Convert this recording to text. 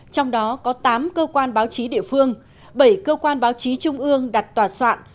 trong đó có tám cơ quan báo chí địa phương bảy cơ quan báo chí trung ương đặt tòa soạn